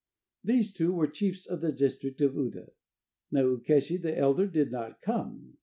These two were chiefs of the district of Uda. Now Ukeshi the elder did not come.